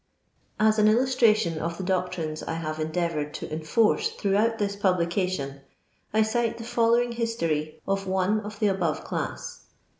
As an illustration of the doctrines I have en dearoured to enforce throughout this publication, I dte the following history of one of the above cIms.